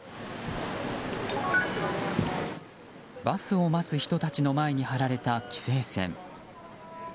バスを待つ人たちの前に張られた規制線。